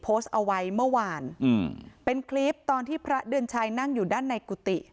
เมื่อวานอืมเป็นคลิปตอนที่พระเดินชัยนั่งอยู่ด้านในกุฏิ